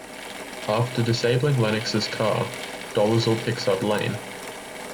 After disabling Lennox's car, Dolezal picks up Lane.